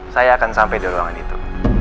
saya akan sampai di ruangan itu